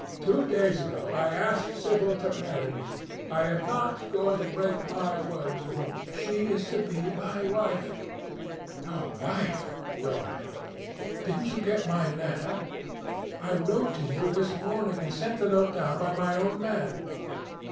Two days ago I asked Sibyl to marry me. I am not going to break my word to her. She is to be my wife." "Your wife! Dorian! ... Didn't you get my letter? I wrote to you this morning, and sent the note down by my own man."